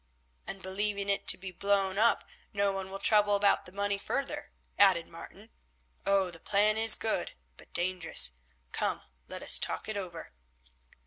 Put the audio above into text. "And believing it to be blown up no one will trouble about that money further," added Martin. "Oh! the plan is good, but dangerous. Come, let us talk it over."